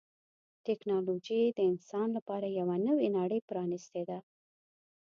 ټکنالوجي د انسان لپاره یوه نوې نړۍ پرانستې ده.